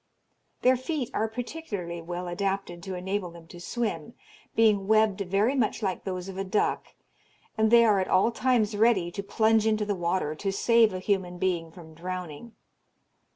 Their feet are particularly well adapted to enable them to swim, being webbed very much like those of a duck, and they are at all times ready to plunge into the water to save a human being from drowning.